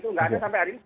nggak ada sampai hari ini